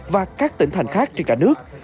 và các tỉnh thành khác trên cả nước